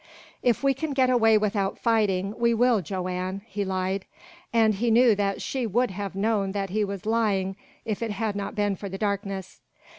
"If we can get away without fighting, we will, Joanne," he lied. And he knew that she would have known that he was lying if it had not been for the darkness.